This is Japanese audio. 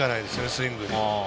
スイングに。